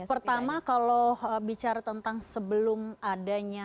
pertama kalau bicara tentang sebelum adanya